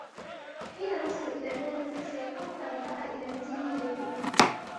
حين نصل إلى بلدته ، سيكون قد انتقل إلى منزله الجديد.